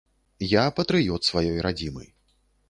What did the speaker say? Я патрыёт сваёй радзімы.